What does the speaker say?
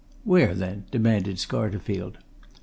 "Where, then?" demanded Scarterfield.